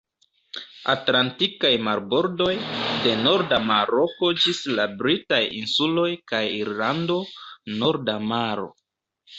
Atlantikaj marbordoj, de norda Maroko ĝis la britaj insuloj kaj Irlando; Norda Maro.